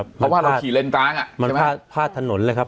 เพราะว่าเราขี่เลนกลางอ่ะใช่ไหมมันพลาดพลาดถนนเลยครับ